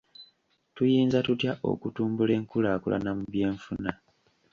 Tuyinza tutya okutumbula enkulaakulana mu by'enfuna?